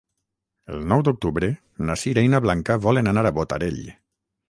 El nou d'octubre na Sira i na Blanca volen anar a Botarell.